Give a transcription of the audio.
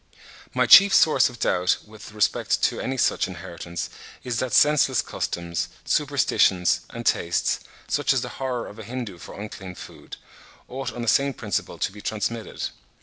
My chief source of doubt with respect to any such inheritance, is that senseless customs, superstitions, and tastes, such as the horror of a Hindoo for unclean food, ought on the same principle to be transmitted.